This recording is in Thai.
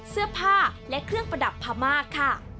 เสื้อผ้าและเครื่องประดับพม่าค่ะ